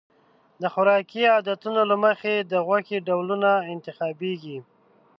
د خوراکي عادتونو له مخې د غوښې ډولونه انتخابېږي.